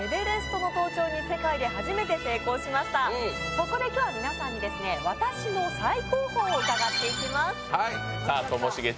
そこで今日は皆さんに私の最高峰を伺っていきます。